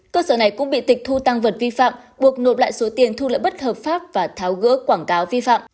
cơ sở này cũng bị tịch thu tăng vật vi phạm buộc nộp lại số tiền thu lợi bất hợp pháp và tháo gỡ quảng cáo vi phạm